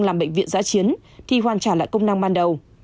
làm bệnh viện giã chiến thì hoàn trả lại công năng ban đầu